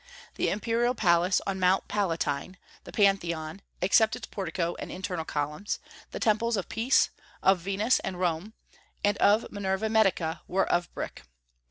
The imperial palace on Mount Palatine, the Pantheon (except its portico and internal columns), the temples of Peace, of Venus and Rome, and of Minerva Medica, were of brick.